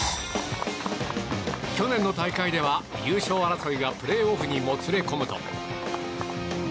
去年の大会では、優勝争いがプレーオフにもつれ込むと。